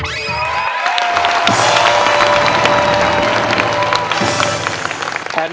ข้ามข้ามข้าม